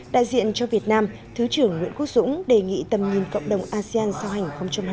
đại diện cho việt nam thứ trưởng nguyễn quốc dũng đề nghị tầm nhìn cộng đồng asean sau hành hai mươi năm